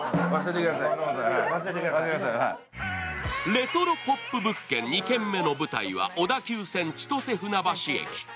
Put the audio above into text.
レトロポップ物件、２軒目の舞台は小田急線・千歳船橋駅。